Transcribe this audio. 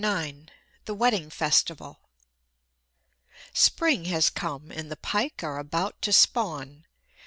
IX: THE WEDDING FESTIVAL Spring has come, and the pike are about to spawn.